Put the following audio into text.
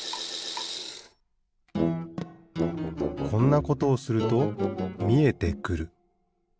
こんなことをするとみえてくる。